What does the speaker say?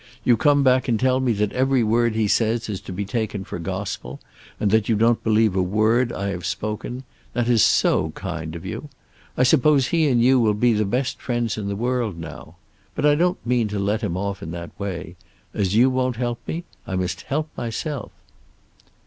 You come back and tell me that every word he says is to be taken for gospel, and that you don't believe a word I have spoken. That is so kind of you! I suppose he and you will be the best friends in the world now. But I don't mean to let him off in that way. As you won't help me, I must help myself."